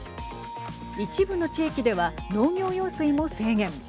一部の地域では農業用水も制限。